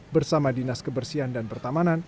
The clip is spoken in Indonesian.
bersama dinas kebersihan dan pertamanan